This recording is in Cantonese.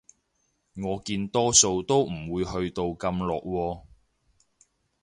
我見多數都唔會去到咁落喎